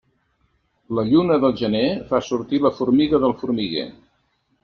La lluna del gener fa sortir la formiga del formiguer.